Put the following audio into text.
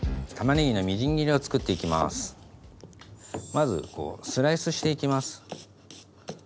まずこうスライスしていきます。